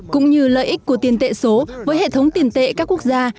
cũng như lợi ích của tiền tệ số với hệ thống tiền tệ các quốc gia